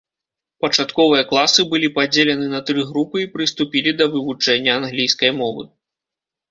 Пачатковыя класы былі падзелены на тры групы і прыступілі да вывучэння англійскай мовы.